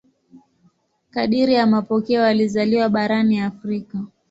Kadiri ya mapokeo alizaliwa barani Afrika.